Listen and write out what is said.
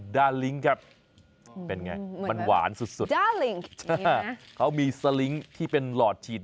ดาลิ้งครับเป็นไงมันหวานสุด้าลิงเขามีสลิงค์ที่เป็นหลอดฉีด